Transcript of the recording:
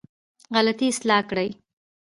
غلطي اصلاح کړې.